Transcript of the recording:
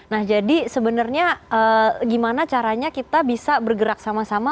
nah jadi sebenarnya gimana caranya kita bisa bergerak sama sama